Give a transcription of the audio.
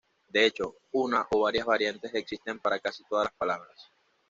De hecho, una o varias variantes existen para casi todas las palabras.